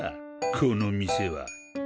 この店は。